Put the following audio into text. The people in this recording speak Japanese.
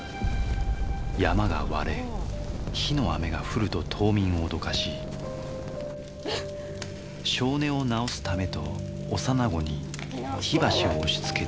山が割れ火の雨が降ると島民を脅かし性根を直すためと幼子に火箸を押しつけた